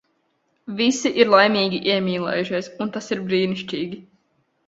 Visi ir laimīgi, iemīlējušies. Un tas ir brīnišķīgi.